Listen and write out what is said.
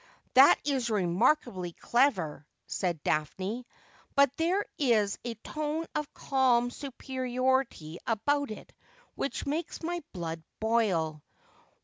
'' That is remakably clever,' said Daphne ;' but there is a tone of calm superiority about it which makes my blood boil.